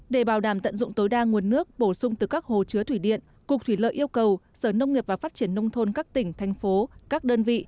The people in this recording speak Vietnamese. để bảo đảm tận dụng tối đa nguồn nước bổ sung từ các hồ chứa thủy điện cục thủy lợi yêu cầu sở nông nghiệp và phát triển nông thôn các tỉnh thành phố các đơn vị